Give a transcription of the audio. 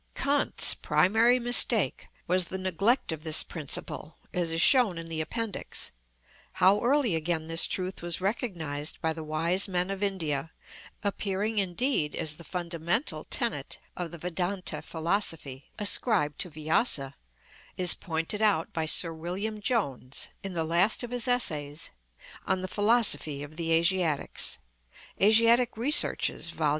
Kant's primary mistake was the neglect of this principle, as is shown in the appendix. How early again this truth was recognised by the wise men of India, appearing indeed as the fundamental tenet of the Vedânta philosophy ascribed to Vyasa, is pointed out by Sir William Jones in the last of his essays: "On the philosophy of the Asiatics" (Asiatic Researches, vol.